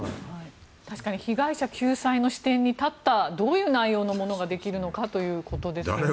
確かに被害者救済の視点に立ったどういう内容のものができるのかということですよね。